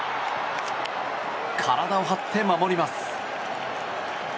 体を張って守ります。